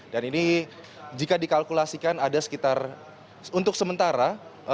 dan ini jika dikalkulasikan ada sekitar untuk sementara